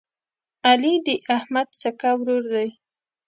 علي د احمد سکه ورور دی.